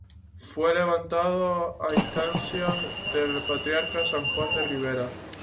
Fue levantado a instancias del patriarca San Juan de Ribera.